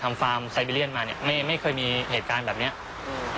ฟาร์มไซบีเรียนมาเนี้ยไม่ไม่เคยมีเหตุการณ์แบบเนี้ยอืม